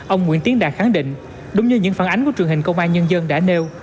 ông nguyễn tiến đạt khẳng định đúng như những phản ánh của truyền hình công an nhân dân đã nêu